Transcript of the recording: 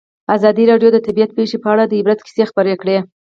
ازادي راډیو د طبیعي پېښې په اړه د عبرت کیسې خبر کړي.